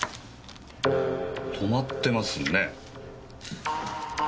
止まってますね。